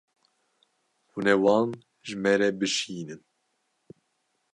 Hûn ê wan ji me re bişînin.